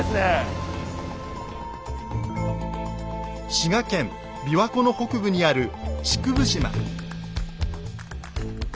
滋賀県琵琶湖の北部にある竹生島。